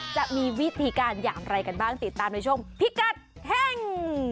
จะมีวิธีการอย่างไรกันบ้างติดตามในช่วงพิกัดเฮ่ง